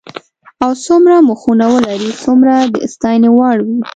او څومره مخونه ولري هومره د ستاینې وړ وي.